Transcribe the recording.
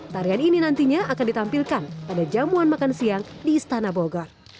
tarian ini nantinya akan ditampilkan pada jamuan makan siang di istana bogor